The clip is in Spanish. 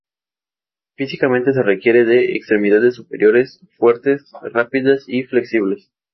Físicamente se requiere de extremidades superiores fuertes, rápidas y flexibles.